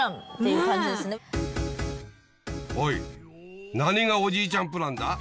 おい何がおじいちゃんプランだ。